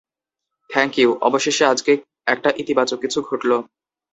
Thank you, অবশেষে আজকে একটা ইতিবাচক কিছু ঘটল!